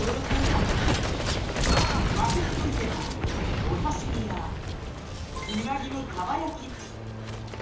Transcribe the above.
和食といえばお刺身やうなぎのかば焼き。